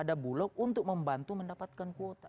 ada bulog untuk membantu mendapatkan kuota